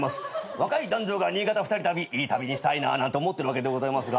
若い男女が新潟２人旅いい旅にしたいななんて思ってるわけでございますが。